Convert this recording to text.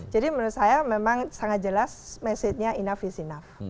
jadi menurut saya memang sangat jelas mesejnya enough is enough